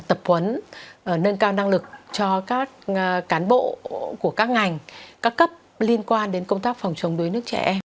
tập huấn nâng cao năng lực cho các cán bộ của các ngành các cấp liên quan đến công tác phòng chống đuối nước trẻ em